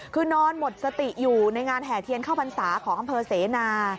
คือนอนหมดสติอยู่ในงานแห่เทียนเข้าพรรษาของอำเภอเสนา